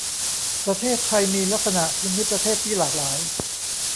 ประเทศไทยมีลักษณะภูมิประเทศที่หลากหลาย